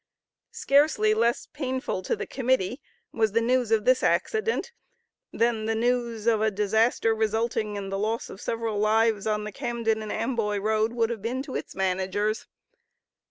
Scarcely less painful to the Committee was the news of this accident, than the news of a disaster, resulting in the loss of several lives, on the Camden and Amboy Road, would have been to its managers.